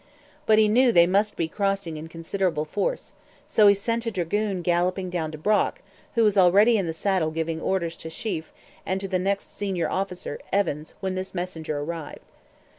But he knew they must be crossing in considerable force, so he sent a dragoon galloping down to Brock, who was already in the saddle giving orders to Sheaffe and to the next senior officer, Evans, when this messenger arrived.